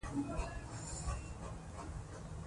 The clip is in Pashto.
د هغې قبر تر څلي لږ لرې دی.